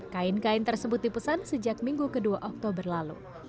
kain kain tersebut dipesan sejak minggu ke dua oktober lalu